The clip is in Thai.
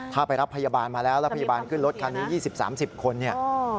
ถ้าไปรับพยาบาลมาแล้วแล้วพยาบาลขึ้นรถคันนี้๒๐๓๐คนเนี่ย